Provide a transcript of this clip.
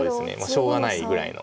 しょうがないぐらいの。